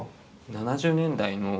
７０年代？